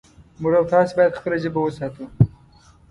موږ او تاسې باید خپله ژبه وساتو